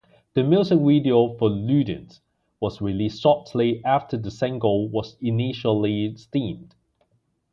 The music video for "Ludens" was released shortly after the single was initially streamed.